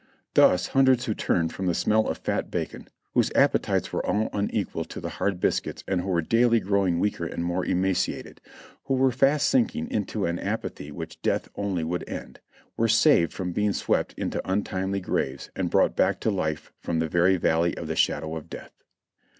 Thus hundreds who turned from the smell of fat bacon, whose appetites were all unequal to the hard biscuits, and who were daily growing weaker and more emaciated, — who were fast sinking into an apathy which death only would end, — were saved from being swept into untimely graves, and brought back to life from the very Valley of the Shadow of Death.